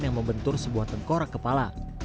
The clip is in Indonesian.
yang membentur sebuah tengkorak kepala